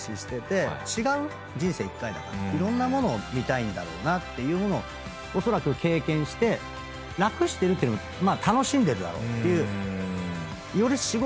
人生１回だからいろんなものを見たいんだろうなというものをおそらく経験して楽してるってよりも楽しんでるだろう。